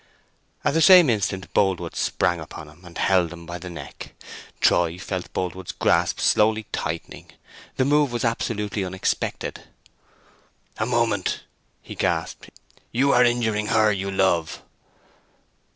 At the same instant Boldwood sprang upon him, and held him by the neck. Troy felt Boldwood's grasp slowly tightening. The move was absolutely unexpected. "A moment," he gasped. "You are injuring her you love!"